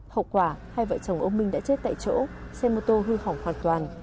hậu quả hai vợ chồng ông minh đã chết tại chỗ xe mô tô hư hỏng hoàn toàn